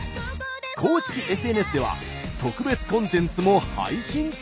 公式ＳＮＳでは特別コンテンツも配信中！